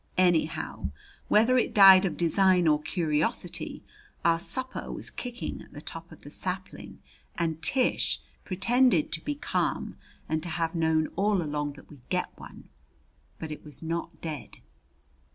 Anyhow, whether it died of design or curiosity, our supper was kicking at the top of the sapling, and Tish pretended to be calm and to have known all along that we'd get one. But it was not dead.